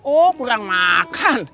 oh kurang makan